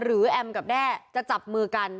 แอมกับแด้จะจับมือกัน